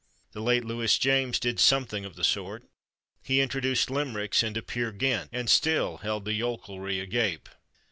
The late Louis James did something of the sort; he introduced limericks into "Peer Gynt" and still held the yokelry agape.